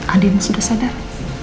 andin sudah sadar